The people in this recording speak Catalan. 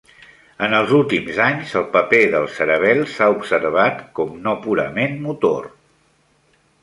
En els últims anys, el paper del cerebel s"ha observat com no purament motor.